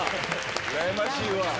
うらやましいわ。